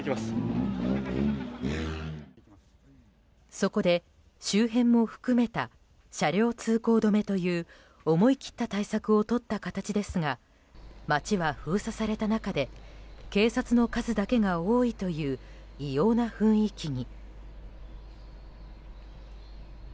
そこで周辺も含めた車両通行止めという思い切った対策を取った形ですが街は封鎖された中で警察の数だけが多いという異様な雰囲気に。